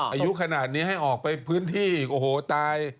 อายุขนาดนี้ให้ออกไปพื้นที่โอ้โหตาย